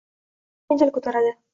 Doim janjal koʻtaradi: